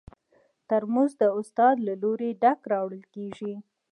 ترموز د استاد له لوري ډک راوړل کېږي.